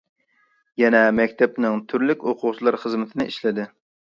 يەنە مەكتەپنىڭ تۈرلۈك ئوقۇغۇچىلار خىزمىتىنى ئىشلىدى.